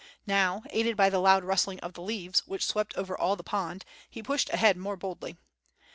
Now, aided by the lo»d rust ling of the leaves, which swept over all the pond, he pushed ahead more boldly.